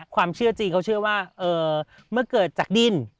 ความเชื่อจีนเขาเชื่อว่าเมื่อเกิดจากดิน